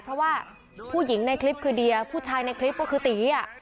เพราะว่าผู้หญิงในคลิปคือเดียผู้ชายในคลิปก็คือตี